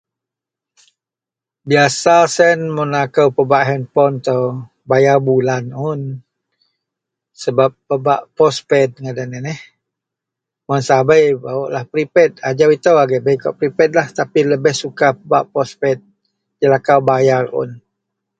Biyasa siyen mun akou pebak hanpon tou bayar bulan un sebab pebak postpaid ngadan iyen eh. Mun sabei barouk lah prepaid ajau ito agei bei lah kawak prepaid lebeh suka pebak postpaid jelakau bayar un.